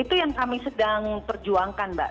itu yang kami sedang perjuangkan mbak